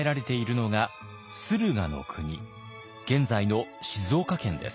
現在の静岡県です。